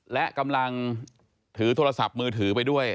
และกำลังถือโทรศัพท์มือถือไปด้วย